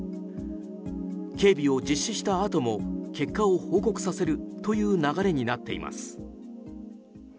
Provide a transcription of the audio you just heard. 警備も実施したあとも結果を報告させるという流れになっています。